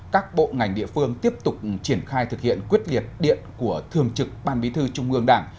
các bộ ngành địa phương tiếp tục triển khai thực hiện quyết liệt điện của thường trực ban bí thư trung ương đảng